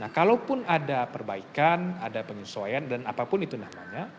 nah kalaupun ada perbaikan ada penyesuaian dan apapun itu namanya